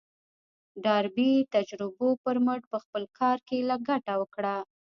ډاربي د تجربو پر مټ په خپل کار کې ګټه وکړه.